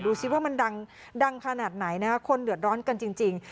ซิว่ามันดังขนาดไหนนะคะคนเดือดร้อนกันจริง